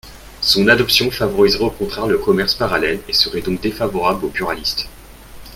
Son adoption favoriserait au contraire le commerce parallèle et serait donc défavorable aux buralistes.